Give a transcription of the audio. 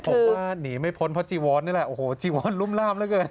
ผมว่าหนีไม่พ้นเพราะจีวอนนี่แหละโอ้โหจีวอนรุ่มล่ามแล้วเกิน